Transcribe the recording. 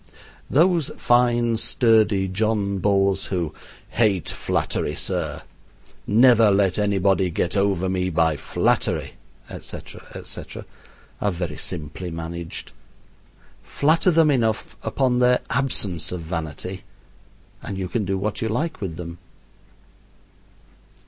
Those fine, sturdy John Bulls who "hate flattery, sir," "Never let anybody get over me by flattery," etc., etc., are very simply managed. Flatter them enough upon their absence of vanity, and you can do what you like with them.